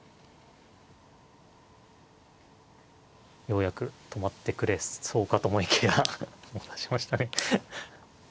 ようやく止まってくれそうかと思いきやもう指しましたね。